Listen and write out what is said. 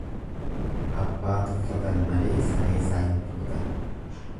Abbaa tuffatan malee sareesaa hin rukutan.